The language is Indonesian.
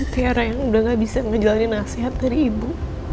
tiara ini udah gak bisa ngejalanin nasihat dari ibu